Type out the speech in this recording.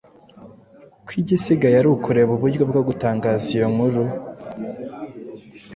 ko igisigaye ari ukureba uburyo bwo gutangaza iyo nkuru